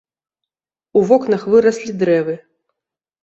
У вокнах выраслі дрэвы.